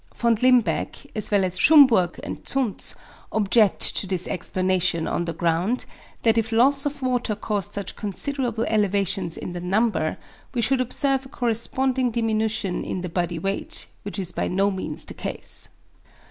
Von Limbeck, as well as Schumburg and Zuntz, object to this explanation on the ground, that if loss of water caused such considerable elevations in the number, we should observe a corresponding diminution in the body weight, which is by no means the case.